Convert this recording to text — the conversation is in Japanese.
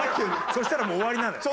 そしたらもう終わりなのよ。